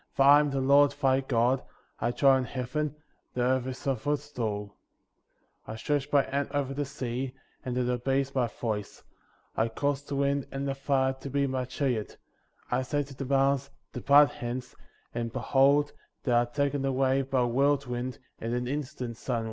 7. For I am the Lord thy God; I dwell in heaven; the earth is my footstool;^ I stretch my hand over the sea, and it obeys my voice; I cause the wind and the fire to be my chariot ; I say to the mountains — Depart hence — and behold, they are taken away by a whirlwind, in an instant, sud denly.